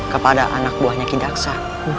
kepada anak buahnya kidaksa